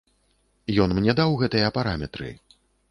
Ён мне даў гэтыя параметры.